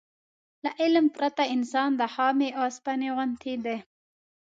له علم پرته انسان د خامې اوسپنې غوندې دی.